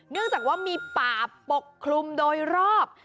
เนื่องจากว่ามีป่าปกคลุมโดยรอบ